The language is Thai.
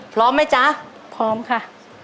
พร้อมไหมจ๊ะพร้อมค่ะ